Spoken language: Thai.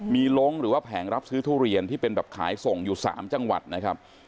มีลงหรือว่าแผงรับซื้อทุเรียนที่เป็นแบบขายส่งอยู่๓จังหวัดนะครับ